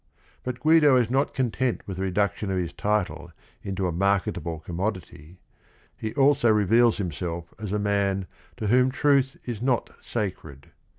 But Guido is not content with the reduction of his title into a mar ketable commodity; he also reveals himself as a man to whom truth is not sacred.